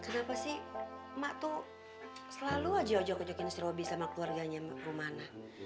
kenapa sih mak tuh selalu aja ojok ojokin strobi sama keluarganya rumana